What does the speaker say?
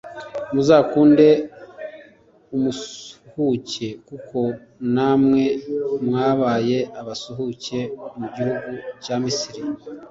muzakunde umusuhuke, kuko namwe mwabaye abasuhuke mu gihugu cya misiri.